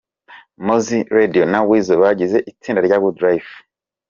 Mozey Radio na Weasel bagize itsinda rya Goodlyfe.